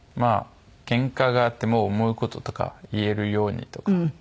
ケンカがあっても思う事とか言えるようにとか。